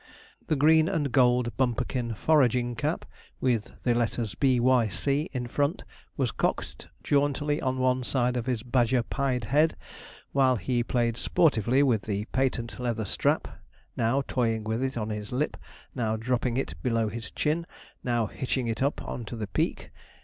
The green and gold Bumperkin foraging cap, with the letters 'B.Y.C.' in front, was cocked jauntily on one side of his badger pyed head, while he played sportively with the patent leather strap now, toying with it on his lip, now dropping it below his chin, now hitching it up on to the peak.